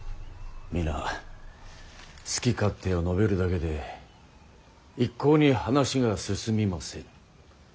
皆好き勝手を述べるだけで一向に話が進みませぬ。